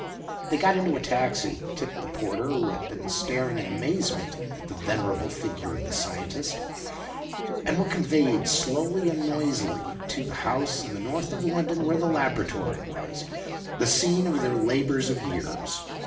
They got into a taxi, tipped the porter, who had been staring in amazement at the venerable figure of the scientist, and were conveyed slowly and noisily to the house in the north of London where the laboratory was, the scene of their labours of years.